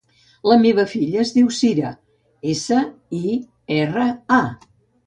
La meva filla es diu Sira: essa, i, erra, a.